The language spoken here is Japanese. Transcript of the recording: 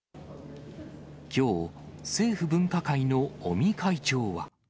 きょう、政府分科会の尾身会長は。